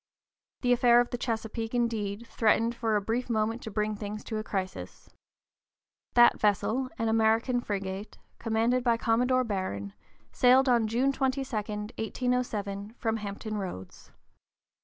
The affair of the Chesapeake, indeed, threatened for a brief moment to bring things to a crisis. That vessel, an American frigate, commanded by Commodore Barron, sailed on June 22, 1807, from Hampton Roads.